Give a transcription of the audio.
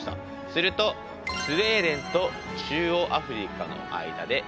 するとスウェーデンと中央アフリカの間で移動する期間